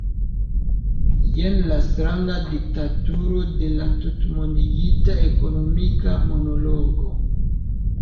Jen la stranga diktaturo de la tutmondigita ekonomika monologo.